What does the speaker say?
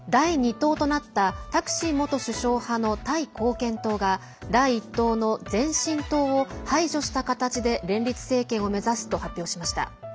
党となったタクシン元首相派のタイ貢献党が第１党の前進党を排除した形で連立政権を目指すと発表しました。